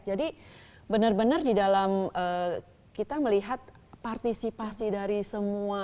jadi benar benar di dalam kita melihat partisipasi dari semua